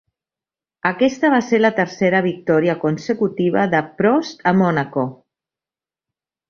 Aquesta va ser la tercera victòria consecutiva de Prost a Mònaco.